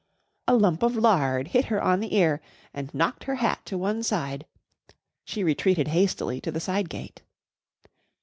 A lump of lard hit her on the ear and knocked her hat on to one side. She retreated hastily to the side gate.